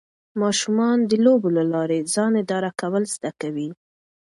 ماشومان د لوبو له لارې ځان اداره کول زده کوي.